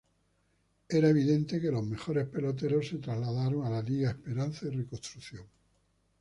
Era evidente que los mejores peloteros se trasladaron a la Liga Esperanza y Reconstrucción.